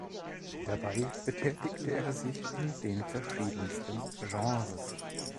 Dabei betätigte er sich in den verschiedensten Genres.